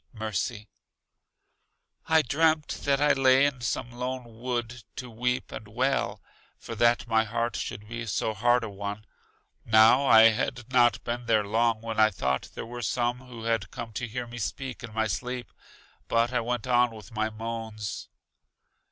Mercy: I dreamt that I lay in some lone wood to weep and wail, for that my heart should be so hard a one. Now I had not been there long when I thought there were some who had come to hear me speak in my sleep; but I went on with my moans.